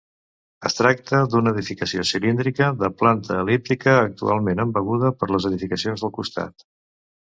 Es tracta d'una edificació cilíndrica de planta el·líptica actualment embeguda per les edificacions del costat.